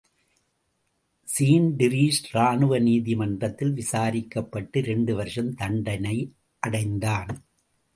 ஸீன்டிரிஸ் ராணுவ நீதி மன்றத்தில் விசாரிக்கப்பட்டு இரண்டு வருஷம் தண்டனை அடைந்தான்.